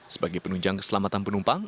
sebagai penunjang keselamatan penumpang